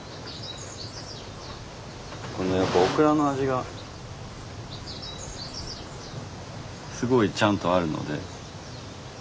このやっぱオクラの味がすごいちゃんとあるので。